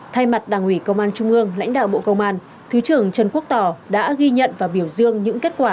thay mặt đảng ủy công an trung ương lãnh đạo bộ công an thứ trưởng trần quốc tỏ đã ghi nhận và biểu dương những kết quả